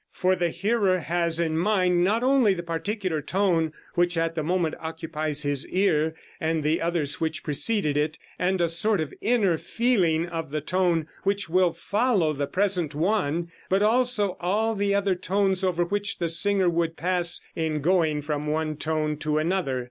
For the hearer has in mind not only the particular tone which at the moment occupies his ear, and the others which preceded it, and a sort of inner feeling of the tone which will follow the present one, but also all the other tones over which the singer would pass in going from one tone to another.